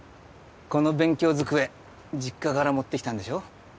この勉強机実家から持ってきたんでしょ？